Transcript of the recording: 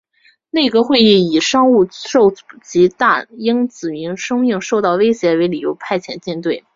内阁会议以商务受阻及大英子民生命受到威胁为理由派遣舰队。